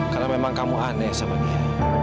karena memang kamu aneh sama dia